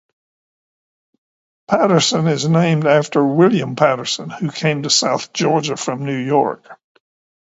Patterson is named after William Patterson, who came to South Georgia from New York.